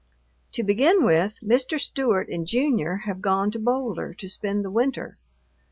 To begin with, Mr. Stewart and Junior have gone to Boulder to spend the winter.